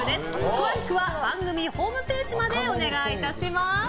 詳しくは番組ホームページまでお願いいたします。